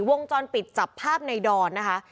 วงจรปิดจับภาพในดอนนะคะ